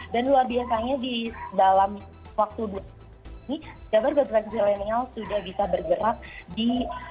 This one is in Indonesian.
dan luar biasanya di dalam waktu dua tahun ini jabar bergerak zilenial sudah bisa bergerak di delapan belas